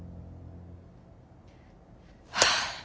はあ！